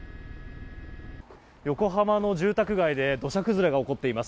横浜の住宅街で土砂崩れが起こっています。